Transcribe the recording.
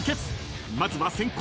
［まずは先攻］